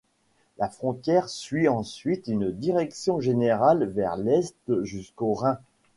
La frontière suit ensuite une direction générale vers l'est, jusqu'au Rhin.